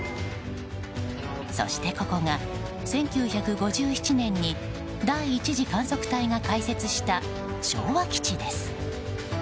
そして、ここが１９５７年に第１次観測隊が開設した昭和基地です。